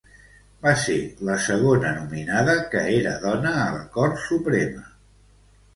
Va ser la segona nominada que era dona a la Cort Suprema.